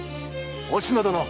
お篠殿！